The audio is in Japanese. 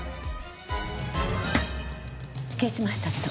消しましたけど。